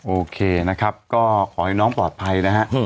โอเคนะครับก็ขอให้น้องปลอดภัยนะฮะ